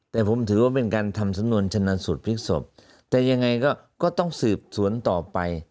แต่ผมถือว่าเป็นการทำสำนวนชนะสูตรพลิกศพแต่ยังไงก็ต้องสืบสวนต่อไป